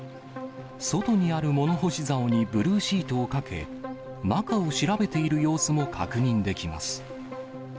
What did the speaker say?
外にある物干しざおにブルーシートをかけ、中を調べている様子も確認できます。